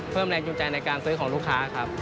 แรงจูงใจในการซื้อของลูกค้าครับ